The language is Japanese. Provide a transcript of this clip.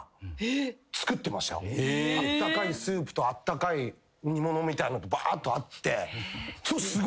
あったかいスープとあったかい煮物みたいのとばーっとあってそれすごいなと思いました。